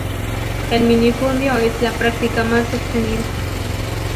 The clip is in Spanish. El minifundio es la práctica más extendida.